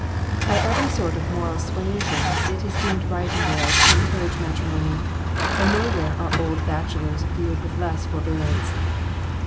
By every sort of moral suasion it is deemed right in Wales to encourage matrimony, and no where are old bachelors viewed with less forbearance.